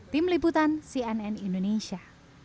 tim liputan cnn indonesia